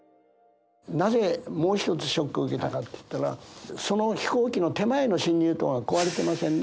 なぜもう一つショックを受けたかっていったらその飛行機の手前の進入灯が壊れてませんね。